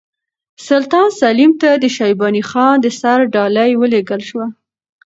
سلطان سلیم ته د شیباني خان د سر ډالۍ ولېږل شوه.